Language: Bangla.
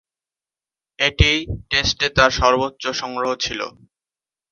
এটিই টেস্টে তার সর্বোচ্চ সংগ্রহ ছিল।